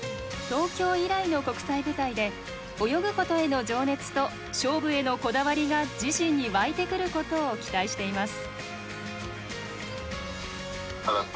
東京以来の国際舞台で泳ぐことへの情熱と勝負へのこだわりが自身に湧いてくることを期待しています。